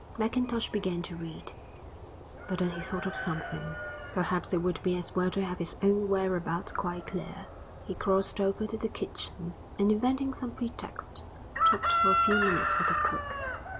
Mackintosh began to read; but then he thought of something; perhaps it would be as well to have his own whereabouts quite clear. He crossed over to the kitchen and, inventing some pretext, talked for a few minutes with the cook.